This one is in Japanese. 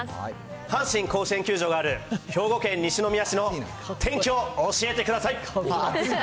阪神甲子園球場がある兵庫県西宮市の天気を教えてください。